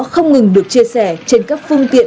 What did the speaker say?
không ngừng được chia sẻ trên các phương tiện